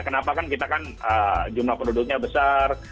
kenapa kan kita kan jumlah penduduknya besar